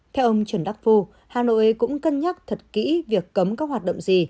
theo ông trần đắc phu hà nội cũng cân nhắc thật kỹ việc cấm các hoạt động gì